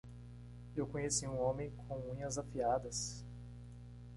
Eu conheci um homem com unhas afiadas.